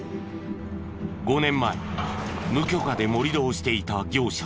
５年前無許可で盛り土をしていた業者。